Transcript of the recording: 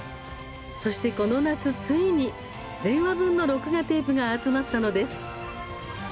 そして、この夏ついに全話分の録画テープが集まったのです。